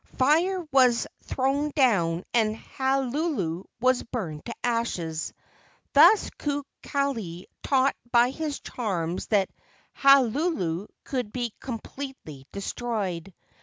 Fire was thrown down and Halulu was burned to ashes. Thus Kukali taught by his charms that Halulu could be completely destroyed.